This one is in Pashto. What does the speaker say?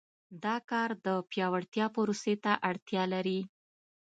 دا کار د پیاوړتیا پروسې ته اړتیا لري.